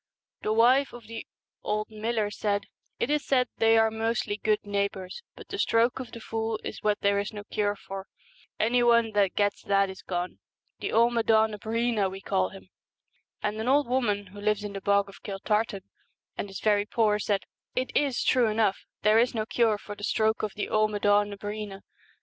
The wife of the old miller said, 'It is said they are mostly good neighbours, but the stroke of the fool is what there is no cure for ; any one that gets that is gone. The Amaddn na Breena we call him !' And an old woman who lives in the Bog of Kiltartan, and is very poor, said, 'It is true enough, there is no cure for the stroke of the Amad&n na Breena.